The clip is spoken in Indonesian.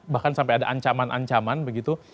bahkan sampai ada ancaman ancaman begitu